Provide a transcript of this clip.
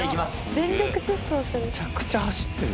全力疾走してる。